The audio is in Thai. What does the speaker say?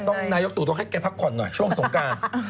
นายกตู่ต้องให้แกพักผ่อนหน่อยช่วงสงการ